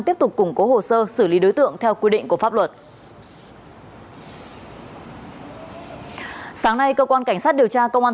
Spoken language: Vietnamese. tiếp tục củng cố hồ sơ xử lý đối tượng theo quy định của pháp luật